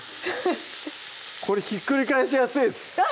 これひっくり返しやすいです！